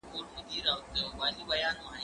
زه کولای سم ونې ته اوبه ورکړم؟